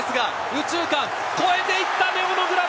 右中間を超えていった！